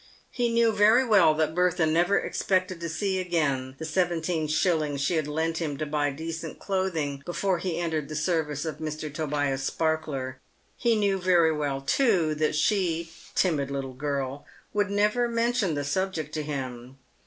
He knew very well that Bertha never expected to see again the seventeen shillings she had lent him to buy decent clothing before he entered the service of Mr. Tobias Sparkler. He knew very well, too, that she — timid little girl — would never mention the subject to him.